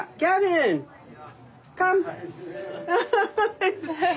アハハハッ。